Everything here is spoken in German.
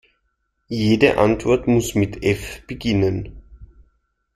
Jede Antwort muss mit F beginnen.